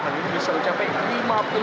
harganya bisa mencapai